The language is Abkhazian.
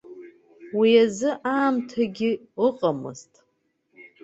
Уи азы аамҭагьы ыҟамызт.